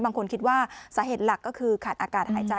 บางคนคิดว่าสาเหตุหลักก็คือขาดอากาศหายใจ